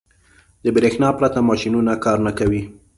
• د برېښنا پرته ماشينونه کار نه کوي.